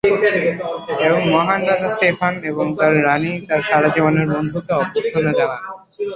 এবং মহান রাজা স্টেফান এবং তার রাণী তাদের সারাজীবনের বন্ধুকে অভ্যর্থনা জানান।